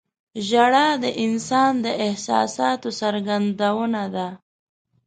• ژړا د انسان د احساساتو څرګندونه ده.